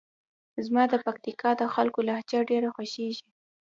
زما د پکتیکا د خلکو لهجه ډېره خوښیږي.